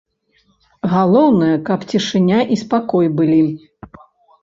Галоўнае, каб цішыня і спакой былі.